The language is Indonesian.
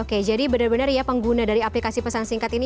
oke jadi benar benar ya pengguna dari aplikasi pesan singkat ini